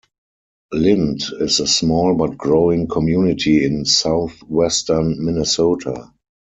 Lynd is a small but growing community in southwestern Minnesota.